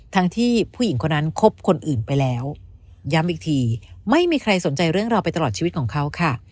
ทั้งที่ผู้หญิงคนนั้นคบคนอื่นไปแล้วย้ำอีกทีไม่มีใครสนใจเรื่องเราไปตลอดชีวิตของเขาค่ะ